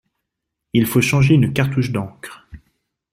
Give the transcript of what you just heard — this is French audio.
Il faut changer une cartouche d'encre.